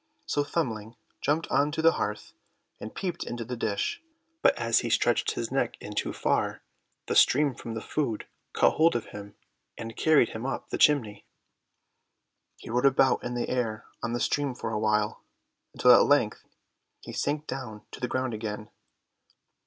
So Thumbling jumped on to the hearth, and peeped into the dish, but as he stretched his neck in too far the steam from the food caught hold of him, and carried him up the chimney. He rode about in the air on the steam for a while, until at length he sank down to the ground again.